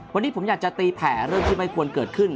วันนี้ผมอยากจะตีแผ่เรื่องที่ไม่ควรเกิดขึ้น